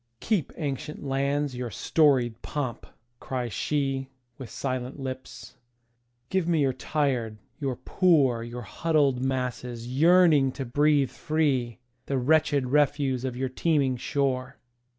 "Keep, ancient lands, your storied pomp!" cries sheWith silent lips. "Give me your tired, your poor, Your huddled masses yearning to breathe free, The wretched refuse of your teeming shore.